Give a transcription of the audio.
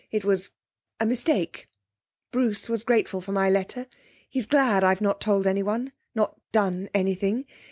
It was a mistake. Bruce was grateful for my letter. He's glad I've not told anyone not done anything.